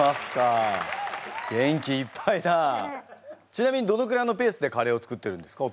ちなみにどのくらいのペースでカレーを作ってるんですか？